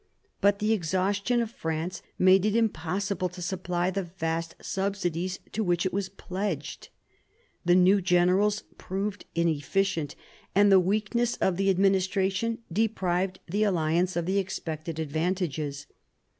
But the exhaustion of France made it impossible to supply the vast subsidies to which it was pledged; the new generals proved inefficient; and the weakness of the administration deprived the alliance of the expected advantages.